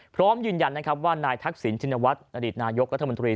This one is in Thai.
พร้อมยืนยันนะครับว่านายทักษิณชินวัฒน์อดีตนายกรัฐมนตรี